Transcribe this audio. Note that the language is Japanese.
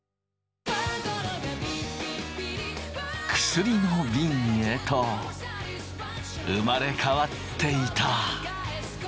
薬のびんへと生まれ変わっていた。